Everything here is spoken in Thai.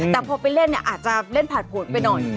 แต่พอไปเล่นเนี่ยอาจจะเล่นผ่านผลไปหน่อย